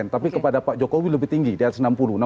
tapi kepada pak jokowi lebih tinggi di atas enam puluh